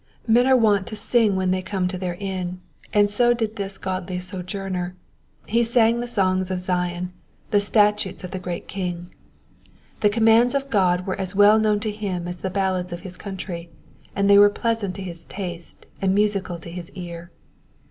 Men are wont to sing when they come to their inn, and so did this godly sojourner ; he sang the songs of Zion, the statutes of the great King. The commands of God were as well known to him as the ballads of his country, and they were pleasant to his taste and musical to his ear.